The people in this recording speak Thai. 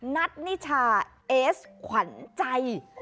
นัทนิชาเอสขวัญใจ